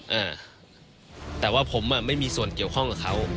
อ่าแต่ว่าผมอ่ะไม่มีส่วนเกี่ยวข้องกับเขา